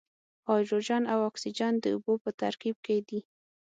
هایدروجن او اکسیجن د اوبو په ترکیب کې دي.